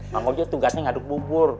ma tugasnya ngaduk bubur